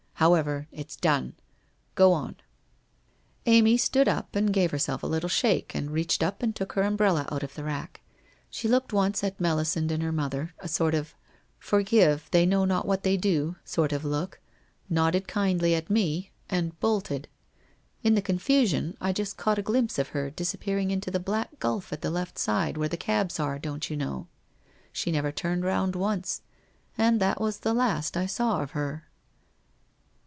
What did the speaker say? However, it's done. Co on.' 384 WHITE ROSE OF WEARY LEAF * Amy stood up and gave herself a little shake, and reached up and took her umbrella out of the rack. She looked once at Melisande and her mother, a sort of " For give, they know not what they do " sort of look — nodded kindly at me — and bolted ! In the confusion, I just caught a glimpse of her disappearing into the black gulf at the left side, where the cabs are, don't you know ? She never turned round once. And that was the last I saw of her!'